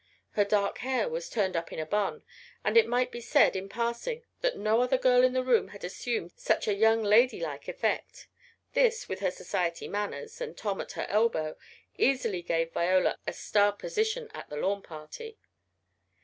Her dark hair was turned up in a "bun," and it might be said, in passing, that no other girl in the room had assumed such a young lady like effect. This, with her society manners, and Tom at her elbow, easily gave Viola a star position at the lawn party.